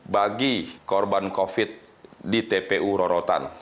bagi korban covid sembilan belas di tpu rorotan